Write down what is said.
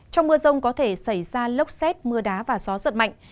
trong mưa rông có thể xảy ra lốc xét mưa đá và gió giật mạnh